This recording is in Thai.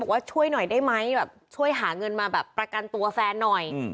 ว่าช่วยหน่อยได้ไหมแบบช่วยหาเงินมาแบบประกันตัวแฟนหน่อย